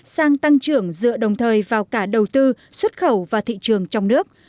sang tăng trưởng dựa đồng thời vào cả đầu tư xuất khẩu và thị trường trong nước